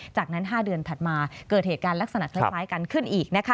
จากนั้น๕เดือนถัดมาเกิดเหตุการณ์ลักษณะคล้ายกันขึ้นอีก